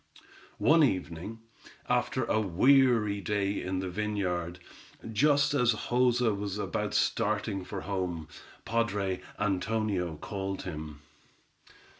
One evening, after a weary day in the vineyard, just as Joza was about starting for home, padre Antonio called him.